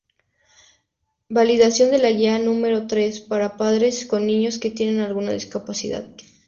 Validación de la Guía número tres, para padres con niños que tienen alguna discapacidad.